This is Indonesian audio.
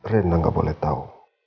rena gak boleh tau